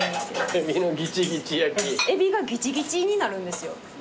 エビがギチギチになるんですよ。